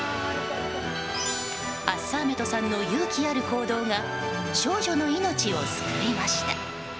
アッサーメトさんの勇気ある行動が少女の命を救いました。